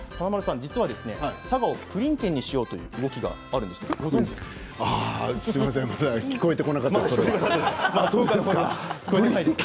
実は佐賀をプリン県にしようという動きがあるんですがご存じですか。